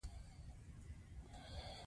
چې موټروانان یې چېرې دي؟ کېدای شي وړاندې وي.